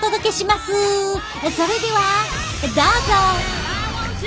それではどうぞ！